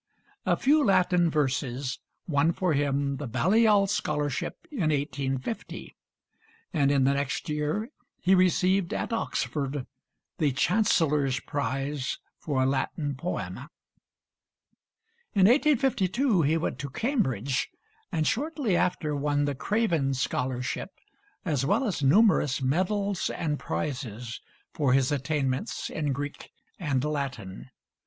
A few Latin verses won for him the Balliol scholarship in 1850, and in the next year he received at Oxford the Chancellor's prize for a Latin poem. In 1852 he went to Cambridge, and shortly after won the Craven scholarship, as well as numerous medals and prizes for his attainments in Greek and Latin.